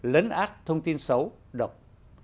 lấn át thông tin xấu độc